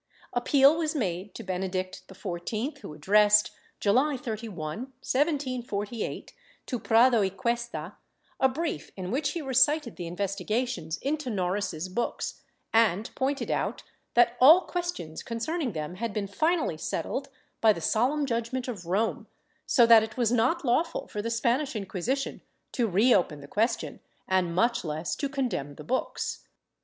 Appeal was made to Benedict XIV, who addressed, July 31, 1748, to Prado y Cuesta a brief in which he recited the investigations into Noris's books and pointed out that all questions concerning them had been finally settled by the solenm judgement of Rome, so that it was not lawful for the Spanish Inc[uisition to reopen the question, and much less to condemn the books.